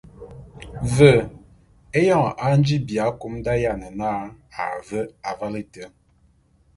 Ve éyoñ a nji bi akum d’ayiane na a ve avale éte.